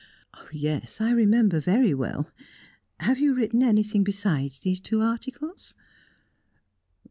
"Yes, I remember very well. Have you written anything besides these two articles?"